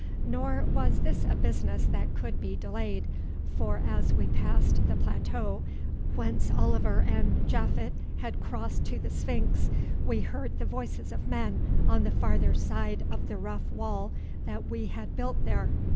Nor was this a business that could be delayed, for as we passed the plateau whence Oliver and Japhet had crossed to the sphinx, we heard the voices of men on the farther side of the rough wall that we had built there.